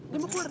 dia mau keluar